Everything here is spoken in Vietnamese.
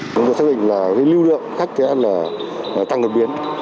chúng tôi xác định là lưu lượng khách sẽ tăng được biến